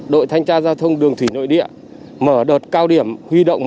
đội thanh tra giao thông đường thủy nội địa mở đợt cao điểm huy động